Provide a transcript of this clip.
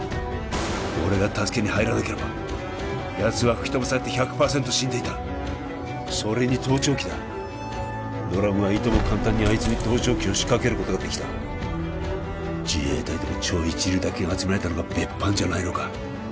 俺が助けに入らなければやつは吹き飛ばされて１００％死んでいたそれに盗聴器だドラムはいとも簡単にあいつに盗聴器を仕掛けることができた自衛隊でも超一流だけが集められたのが別班じゃないのか？